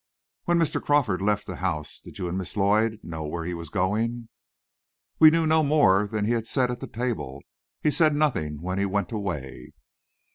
"When Mr. Crawford left the house, did you and Miss Lloyd know where he was going?" "We knew no more than he had said at the table. He said nothing when he went away."